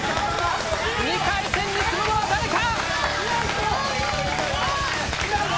２回戦に進むのは誰か！